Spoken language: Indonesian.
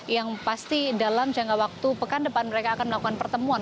yang pasti dalam jangka waktu pekan depan mereka akan melakukan pertemuan